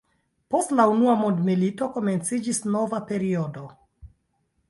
Post la unua mondmilito komenciĝis nova periodo.